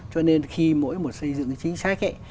cho nên khi mỗi một xây dựng chính sách